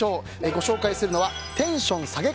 ご紹介するのはテンション下げ